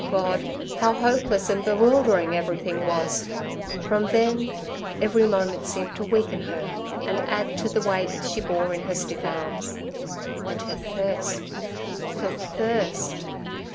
Oh, God! how hopeless and bewildering everything was! From then every moment seemed to weaken her, and add to the weight she bore in her stiff arms; and her thirst—her thirst!